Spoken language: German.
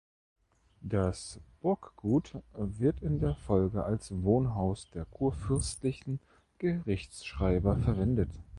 Das Burggut wird in der Folge als Wohnhaus der kurfürstlichen Gerichtsschreiber verwendet.